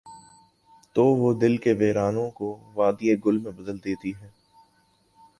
تو وہ دل کے ویرانوں کو وادیٔ گل میں بدل دیتی ہے۔